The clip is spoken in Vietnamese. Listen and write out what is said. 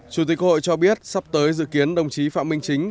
chủ tịch hội cho biết sắp tới dự kiến đồng chí phạm minh chính